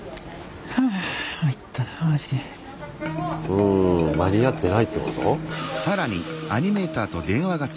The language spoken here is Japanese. うん間に合ってないってこと？